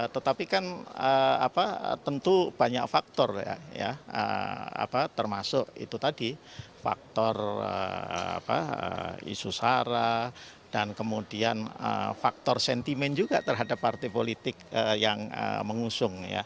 tetapi kan tentu banyak faktor ya termasuk itu tadi faktor isu sara dan kemudian faktor sentimen juga terhadap partai politik yang mengusung